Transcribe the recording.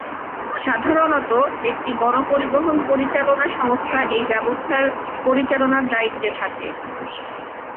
সাধারণত একটি গণপরিবহন পরিচালনা সংস্থা এই ব্যবস্থার পরিচালনার দায়িত্বে থাকে।